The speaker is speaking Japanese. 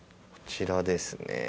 こちらですね。